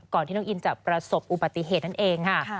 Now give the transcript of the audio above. ที่น้องอินจะประสบอุบัติเหตุนั่นเองค่ะ